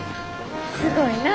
すごいなぁ。